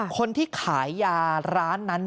คนที่ขายยาร้านนั้น